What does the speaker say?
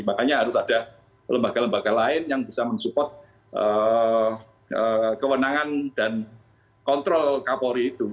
makanya harus ada lembaga lembaga lain yang bisa mensupport kewenangan dan kontrol kapolri itu